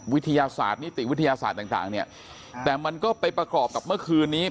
วิทยาศาสตร์นิติวิทยาศาสตร์ต่างเนี่ยแต่มันก็ไปประกอบกับเมื่อคืนนี้